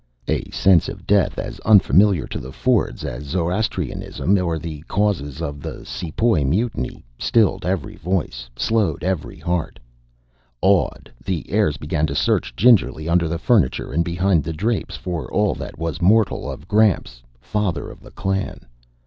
A sense of death, as unfamiliar to the Fords as Zoroastrianism or the causes of the Sepoy Mutiny, stilled every voice, slowed every heart. Awed, the heirs began to search gingerly, under the furniture and behind the drapes, for all that was mortal of Gramps, father of the clan.